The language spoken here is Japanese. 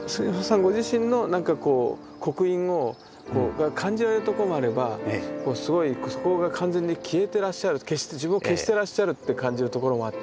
ご自身の何かこう刻印が感じられるところもあればすごいそこが完全に消えてらっしゃる自分を消してらっしゃるって感じるところもあって。